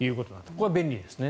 これは便利ですね。